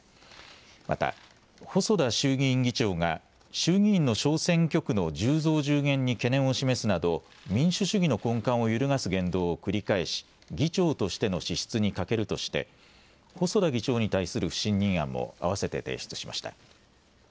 また細田衆議院議長が衆議院の小選挙区の１０増１０減に懸念を示すなど民主主義の根幹を揺るがす言動を繰り返し議長としての資質に欠けるとして細田議長に対する不信任案もあわせて提出しました。